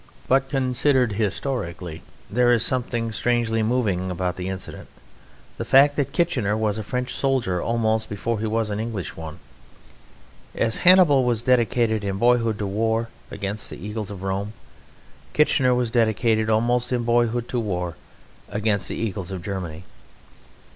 But considered historically there is something strangely moving about the incident the fact that Kitchener was a French soldier almost before he was an English one. As Hannibal was dedicated in boyhood to war against the eagles of Rome, Kitchener was dedicated, almost in boyhood, to war against the eagles of Germany.